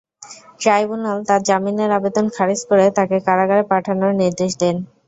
Tribunal তাঁর জামিনের আবেদন খারিজ করে তাঁকে কারাগারে পাঠানোর নির্দেশ দেন।